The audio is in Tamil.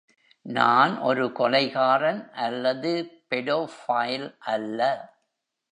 நான் ஒரு கொலைகாரன் அல்லது பெடோஃபைல் அல்ல.